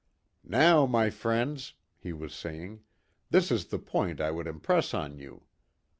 "Now, my friends," he was saying, "this is the point I would impress on you.